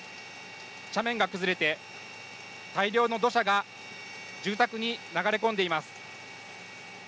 斜面が崩れて大量の土砂が住宅に流れ込んでいます。